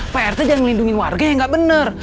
pak rt jangan lindungi warganya yang gak bener